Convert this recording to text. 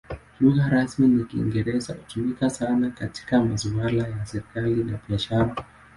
Lugha rasmi ni Kiingereza; hutumika sana katika masuala ya serikali na biashara.